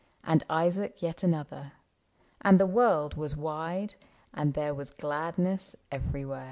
And Isaac yet another ; and the world Was wide, and there was gladness everywhere.